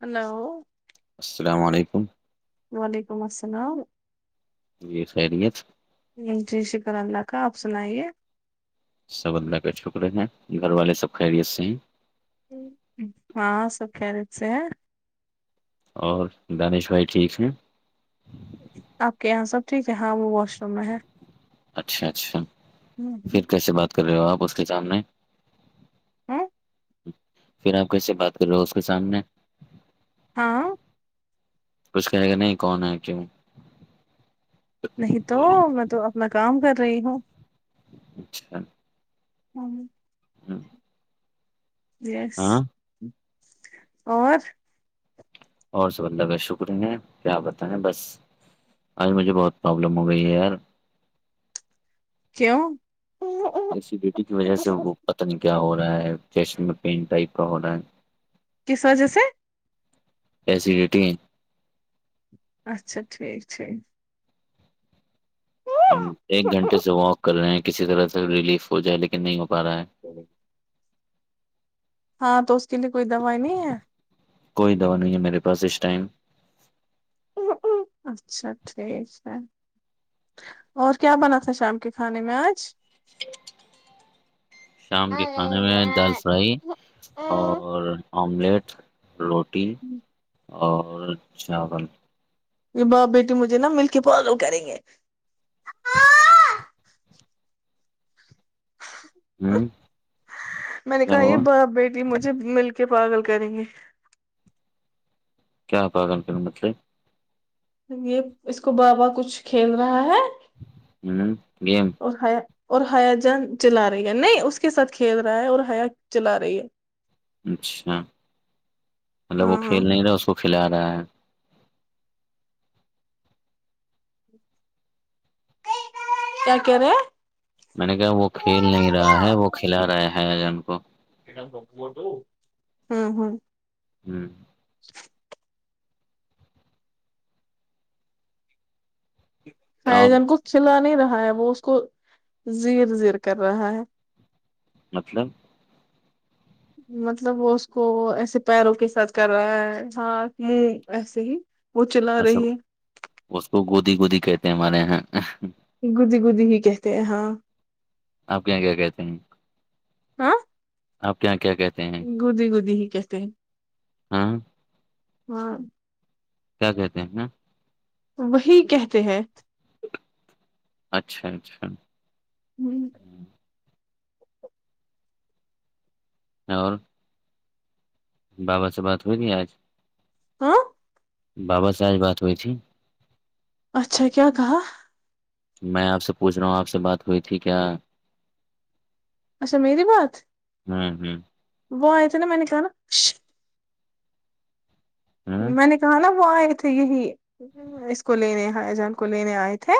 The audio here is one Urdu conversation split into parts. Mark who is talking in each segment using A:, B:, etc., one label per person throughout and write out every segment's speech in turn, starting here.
A: ہیلو
B: السلام علیکم
A: وعلیکم السلام
B: یہ خیریت
A: جی شکر اللہ کا آپ سنائیے
B: سب بدلا کے ا چھک رہے ہیں گھر والے سب خریی سے ہی
A: ہاں سب خیریت سے
B: اور دانش بھائی ٹھیک ہیں
A: آپ کے یہاں سب ٹھیک ہے ہاں وہو
B: اچھا اچھا پھر کیسے بات کر رہے ہو آپ اس کے سامنے
A: ہمم
B: پھر آپ کیسے بات کر رہے ہو اس کے سامنے
A: ہاں
B: کچھ کہے گا نہیں کون ہے کیوں
A: نہیں تو میں تو اپنا کام کر رہی ہوں
B: اچھا
A: ہمم
B: ہمم
A: یس اور
B: اور سبدہ بہت شکریہ کیا بتائیں بس اج مجھے بہت پرابلم ہو گئی ہےیار
A: کیوں
B: ایڈیٹی کی وجہ سے وہ پتن کیا ہو رہا ہے فشن میں پین ٹائپ کا ہو رہا ہے
A: کس وجہ سے
B: ایسیڈیٹی ہیں
A: اچھا ٹھیک ٹھیک
B: ہم ایک گھنٹے سے واک کر رہے ہیں کسی طرح سے ریلیف ہو جائے لیکن نہیں ہو پا رہا ہے
A: [inaudible] ہاں تو اس کے لیے کوئی دوائی نہیں ہے
B: کوئی دوا نہیں ہے میرے پاس اس ٹائم
A: اچھا ٹھیک ہے اور کیا بنا تھا شام کے کھانے میں آج
B: شام کے کھانے میں دال
A: یہ
B: فرائی اور آملیٹ روٹی اور چاول
A: یہ باپ بیٹی مجھے نا مل کے فالو کریں گے
B: ہوں
A: میں نے
B: کیا
A: کہا یہ
B: ہوا
A: باپ بیٹی مجھے مل کے پاگل کریں گے
B: کیا تھا گن پ متلے
A: یہ اس کو بابا کچھ کھیل رہا ہے
B: ہوں گیم
A: اور ہیا اور ہیا جان چلا رہی ہے نہیں اس کے ساتھ کھیل رہا ہے اور ہیا چلا رہی ہے
B: اچھا مطلب وہ
A: ہاں
B: کھیل نہیں رہا اس کو کھلا رہا ہے
A: کیا کیا رے
B: میں نے کہ وہ کھیل نہیں رہا ہے وہ کھلا رہے ہے آ ہم کو
A: ہ ہ [inaudible]
B: ہوں [unintelligible]
A: ہے
B: اور
A: جن کو کھلا نہیں رہا ہے وہ اس کو زیر زیر کر رہا ہے
B: مطلب
A: مطلب وہ اس کو ایسے پیروں کے ساتھ کر رہا ہے ہ ایسے ہی وہ چلا
B: اچھا
A: رہی ہے [unintelligible]
B: اس کو گودی گودی کہتے ہیں ہمارے یہاں
A: گودی گودی ہی کہتے ہیں ہاں
B: آپ کیااں کیا کہتے ہیں آپ کے یہاں کیا کہتے ہیں
A: گودی گودی ہی کیتے ہیں
B: ہاں
A: ہاں
B: کیا کہتے ہیں نا
A: وہی کہتے ہیں
B: اچھا اچھا
A: ہوں
B: اور بابا سے بات ہوئی تھی آج
A: ہ [inaudible]
B: بابا ساج بات ہوئی تھی
A: اچھا کیا کہا
B: میں آپ سے پوچھ رہا ہوں آپ سے بات ہوئی تھی کیا
A: اچھا میری بات
B: ہوں ہ
A: وہ آئے تھے نا میں نے کہا ن
B: ہ
A: میں نے کہا نا وہ آئے تھے یہی اس کو لینے ح جان کو لینے آئے تھے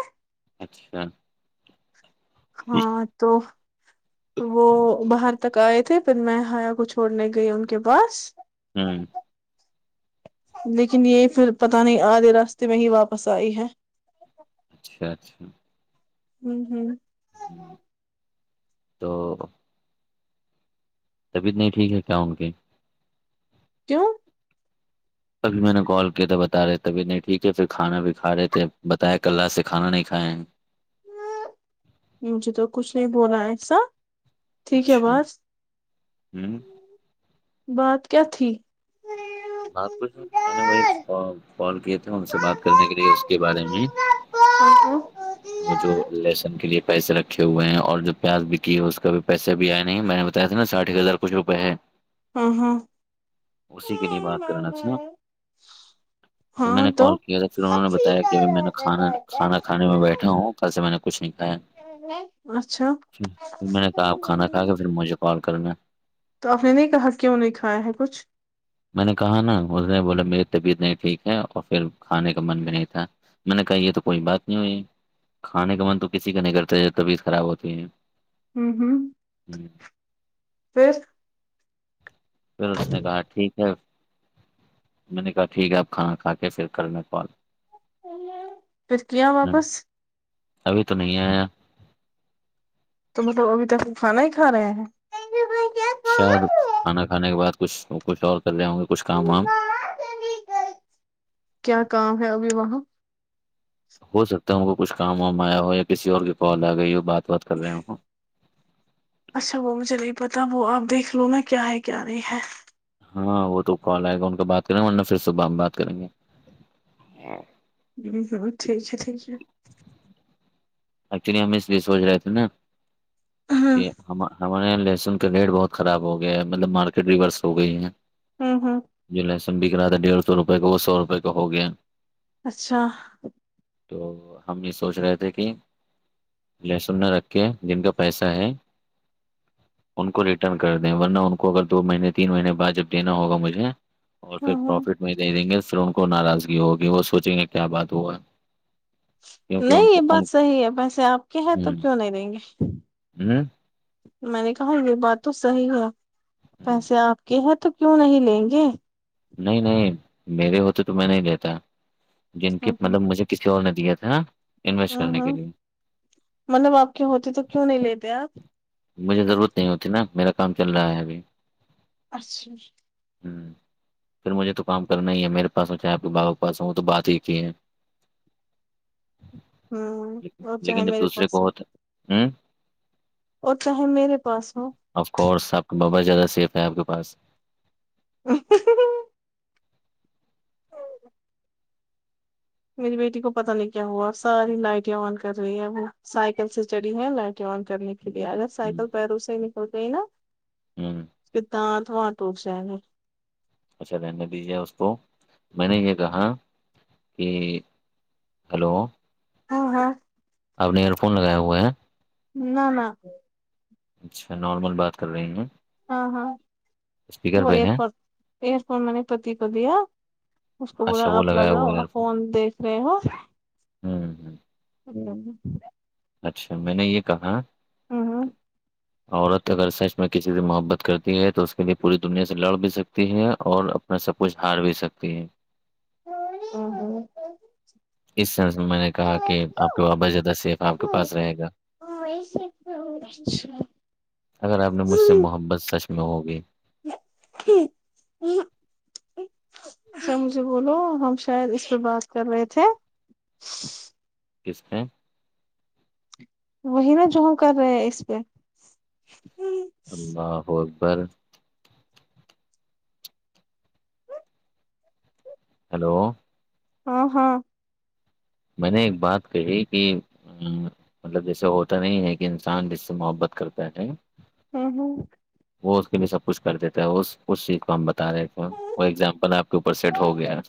B: اچھا [unintelligible]
A: ہاں تو وہ باہر تک آئے تھے پھر میں ہایا کو چھوڑنے گئی ان کے پاس
B: ہوں
A: لیکن یہ پھر پتا نہیں آدے راستے میں ہی واپس آئی ہے
B: اچھا اچھا
A: ہوں ہوں
B: تو طبیعت نہیں ٹھیک ہے کیا ان کی
A: کیوں
B: تبھی میں نے کال کیا تھا بتا رہے تبھی نہیں ٹھیک ہے پھر کھانا بھی کھا رہے تھے بتائے کلہ سے کھانا نہیں کھائےیں
A: جی تو کچھ نہیں بول رہا ایسا ٹھیک ہے
B: اچھا
A: بس
B: ہوں
A: بات کیا تھی
B: بات کو سن میں نے وہی کال کیے تھے ان سے بات کرنے کے لیے اس کے بارے میں
A: ہ
B: وہ جو لہسن کے لیے پیسے رکھے ہوئے ہیں اور جو پیاز بکی ہے اس کا بھی پیسے بھی آئے نہیں میں نے نا ساٹھی ہزار کچھ روپئے ہے
A: ہاں ہاں
B: اسی کے لیے بات کرنا تھا نا تو میں نے کال کیا تھا پھر انہوں نے بتایا کہ ابھی میں نے کھانا کھانا کھانے میں بیٹھا ہوں کل سے میں نے کچھ نہیں
A: اچھا
B: کھایاھر میں نے کہاپ کھانا کھا کے پھر مجھے کال کرنا
A: تو آپ نے نہیں کہا کیوں نہیں کھایا ہے کچھ
B: میں نے کہا نا اس نے بولا میری طبیعت نہیں ٹھیک ہے اور پھر کھانے کا من بھی نہیں تھا میں نے کہا یہ تو کوئی بات نہیں ہوئی کھانے کا من تو کسی کا نہیں کرتا طبیعت خراب ہوتی ہے
A: ھمم ھمم پھر
B: پھر اس نے کہا ٹھیک ہے میں نے کہا ٹھیک ہے آپ کھانا کھا کے پھر کر میں کال
A: پھر کی آ واپس
B: ابھی تو نہیں آیا
A: تو مطلب ا بھی تو ا کھانا ہی کا رہے ہیں
B: شاید کھانا کھانے کے بعد کچھ کچھ اور کر رہے ہوں گے کچھ کام وام
A: کیا کام ہے ابھی وہاں
B: ہو سکتا ہے ان کو کچھ کام وام آیا ہو یا کسی اور کی کال آ گئی ہو بات بات کر رہے ہ
A: اچھا وہ مجھے نہیں پتا وہ آپ دیکھ لو ن کیا ہے کیا نہیں ہے
B: ہاں وہ تو کال آئے گا ان کا بات کریں گے ورنہ پھر صبح ہم بات کریں گے
A: ہ ہوں ٹھیک ہے ٹھیک ہے
B: ایکچولی ہم اس لیے سوچ رہے تھے نا
A: ہ
B: کہ ہم ف لہسن کا ریٹ بہت خراب ہو گیا ہے مطلب مارکیٹ ریورس ہو گئی ہے
A: ھمم ھمم
B: جی لہسن بکھ رہا تھا ڈیھ سوپئے کا وہ سو روپئے کا ہو گیا
A: اچھا
B: تو ہم یہ سوچ رہے تھے کہ ل سننا رکھے جن کا پیسہ ہے ان کو ریٹرن کر دیں ورنہ ان کو اگر دو مہینے تین مہینے بعد جب دا ہوگا مجھے اور پھر
A: ہ ہ
B: پروفٹ میں دے دیں گے پھر ان کو ناراضگی ہوگی وہ سوچیں گے کیا بات ہوا کیونکہ ان
A: نہیں یہ
B: کو ان
A: بات صحیح ہے پیسے آپ کے ہیں تو
B: ہ
A: کیوں نہیں دیں گے
B: ہ
A: میں نے کہا یہ بات تو صحی ہے پیسے آپ کے ہیں تو کیوں نہیں لیں گے
B: نہیں نہیں میرے ہوتے تو میں نہیں دیتا جن کے
A: ہ
B: مطلب مجھے کسی اور نے دیا تھاے
A: ہاں ہاں مطلب آپ کے ہوتے تو کیوں نہیں لیتے آپ
B: مجھے ضرورت نہیں ہوتی نا میرا کام چل رہا ہے ابھی
A: اچھا
B: ھمم پھر مجھے تو کام کرنا ہی ہے میرے پاسوں چاہ آپ کے بابا کے پاس ہوں وہ تو بات ہی ہے
A: ہوں اور چاہے
B: لیکن جب
A: میرے
B: دوسرے کو
A: پاس ہو
B: ہوتا ہ
A: اور چاہے میرے پاس ہو
B: اف کورس آپ کا بابا زیادہ سیف ہے آپ کے پاس
A: ہ میری بیٹی کو پتا نہیں کیا ہوا ساری لائٹیں آن کر رہی ہے اب سائیکل سے چڑی ہیں لائٹیں آن کرنے کی اگر
B: ہ
A: سائیکل پیرو سے نکل گئی نا
B: ھممم
A: کدنا تھم ٹٹ جائےیں گا
B: اچھا رہنے دیجیے اس کو میں نے یہ کہا کہ ہیلو
A: ہاں ہاں
B: آپ نے ایئر فون لگائے ہوئے ہیں
A: نہ نہ
B: اچھا نارمل بات کر رہی ہوں
A: ہاں ہاں وہ
B: ہے
A: ایرپورٹ ایئرپورٹ م نے پتی کو دیا اس کو
B: اچھا
A: بولا
B: وہ
A: آپ
B: لگایا ہوا
A: لگاؤ
B: ہے ایئر
A: آپ
B: فون
A: کون دیکھ رہے ہو
B: ہوں ہوں [unintelligible]
A: ہوں
B: اچھا میں نے یہ کہا
A: ہوں ہوں
B: عورت اگر سچ میں کسی سے محبت کرتی ہے تو اس کے لیے پوری دنیا سے لڑ بھی سکتی ہے اور میں سب کچھ ہار بھی سکتی ہیں
A: ا [unintelligible]
B: اس سرس میں نے کہا کہ آپ کے وابا جدہ سیف آپ کے پاس رہے گا
A: اچھ
B: اگر آپ نے مجھ سے محبت سچ میں ہوگی
A: ہ [unintelligible] اچھا مجھے بولو ہم شاید اس پہ بات کر رہے تھے
B: کس کا [unintelligible]
A: وہی نا جو ہ کر رہے ہیں اس پہ
B: اللہ اکبر ہیلو
A: ہ ہاں
B: میں نے ایک بات کہی کہ مطلب جیسے ہوتا نہیں ہے کہ انسان جس سے محبت کرتےے
A: این
B: وہ اس کے لیے سب کچھ کر دیتا ہے اس کچ چیز کو ہم بتا رہے تھ وہ ایگزامپل آپ کے اوپر
A: ہ
B: سیٹ ہو گیا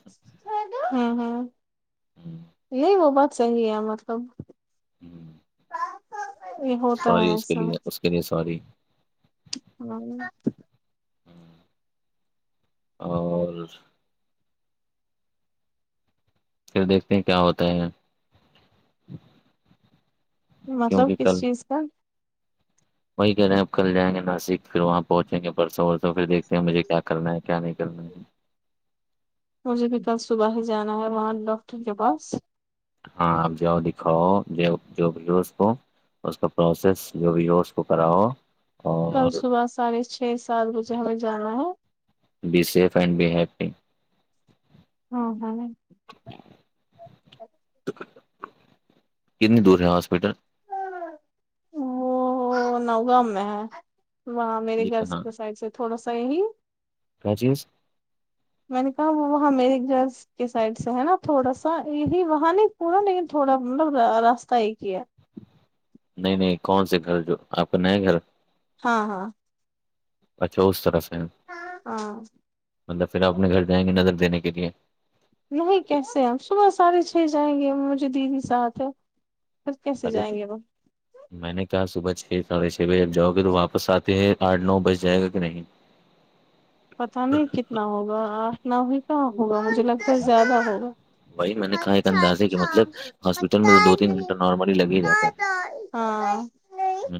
A: ہ ہاں یہی وہ بت صحی ہے مطلب
B: ہ
A: یہ ہوتا
B: ساری
A: ہے
B: اس کے
A: ایسا
B: لیے اس کے لیے ساری
A: ہاں [unintelligible]
B: اور پھر دیکھتے ہیں کیا ہوتا ہے
A: مطلب
B: کیونکہ
A: کس
B: کل
A: چیز کا
B: وہی کہہے ہیں آپ کل جائیں گے ناسک پھر وہاں پہنچیں گے پرسوں ورسوں پھر دیکھتے ہیں مجھے کیا کرنا ہے کیا نہیں کرنا ہے
A: مجھے بھی کل صبح ہی جانا ہے وہاں ڈاکٹر کے پاس
B: ہاں آپ جاؤ دکھاؤ جو بھی ہو اس کو پروسیس جو ویورز کو کراؤ
A: کل
B: اور
A: صبح ساڑھے چھ سات بجے ہمیں جانا ہے
B: be safe and be happy
A: ہاں ہاں
B: کنی دور ہے ہاسپٹل
A: وہ نوگاں میں ہے وہاں میرے
B: یہ
A: گھر
B: کہاں
A: کے سائڈ سے تھوڑا سا یہ ہی
B: کیا چیز
A: میں نے کہا وہ وہ ہمیر جرس کے سائڈ سے ہے نا تھوڑا سا یہی وہاں نہیں پورا لیکن تھوڑا مطلب راستہ ایک ہی ہے
B: نہیں نہیں کون سے گھر جو آپ کا نیا گھر
A: ہاں ہاں
B: اچھا اس طرف سے
A: ہاں
B: مطلب پھر آ اپنے گھر جائیں گے نظر دینے کے لیے
A: نہیں کیسے ہیں ہم صبح ساڑے چھ جائیں گے مجھے دیدی ساتھ ک کیسے
B: ارے
A: جائیں گے وہ
B: میں نے کہا صبح چھ ساڑھے چھ بجے اب جاؤ گے تو واپس آتے ہیں آٹھ نو بج جائے گا کہ نہیں
A: پتہ نہیں کتنا ہوگا آٹھ ن ہی کہاں ہوگا مجھے لگتا ہے زیادہ ہوگا
B: وہی میں نے کہا ایک
A: اچھا
B: اندازے کے
A: اچھا
B: مطلب ہاسپٹل میں
A: پتا
B: تو دو تین
A: نہیں
B: گھنٹہ نارملی لگے ہی جاتا ہے
A: ہاں
B: ہی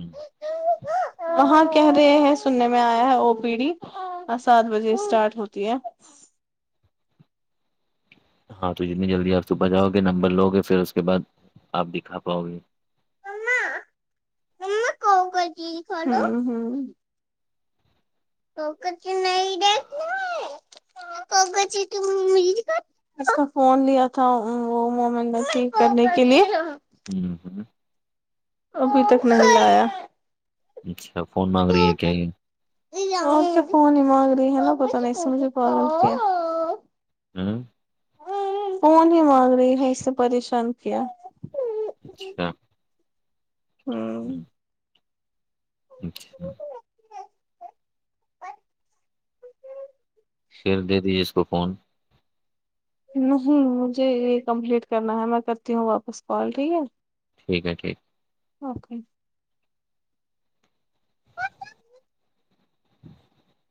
A: وہاں کہہ رہے ہیں سننے میں آیا ہے وہ پیڑھی سات بجے اسٹارٹ ہوتی ہے
B: ہاں تو جتنی جلدی آپ صبح جاؤ گے نمبر لو گے پھر اس کے بعد آپ دکھا پاؤ گے
A: خ ہ پگچ نہیں ڈ پگچ تو مل ج اچھا فون لیا تھا وہ مومنٹ ٹیک کرنے کے لیے
B: ہوں ہوں
A: ابھی تک نہیں لایا
B: اچھا فون مانگ رہی ہے کیا یہ
A: آ فون مانگ رہ ہیں ن بتمجھ
B: ہوں
A: فون ہی مانگ رہ ہے اس پریشان کی
B: اچھا
A: ہوں
B: اچھا پھر دے دیجیے اس کو فون
A: نہیں مجھے یہ کمپلیٹ کرنا ہے میں کرتی ہوں واپس کال ٹھیک ہے
B: ٹھیک ہے ٹھیک
A: اوکے
B: [unintelligible]